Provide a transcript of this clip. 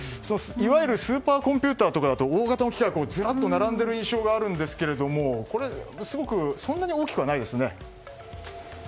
いわゆるスーパーコンピューターとかだと大型の機械がずらっと並んでいる印象がありますがすごくそんなに大きくはないですね。